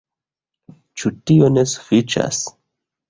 Ĉu tio ne sufiĉas?